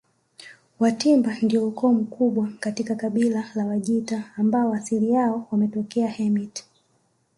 Watimba ndio ukoo mkubwa katika kabila la Wajita ambao asili yao walitokea Hemit